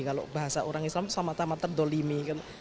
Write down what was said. kalau bahasa orang islam sama sama terdolimi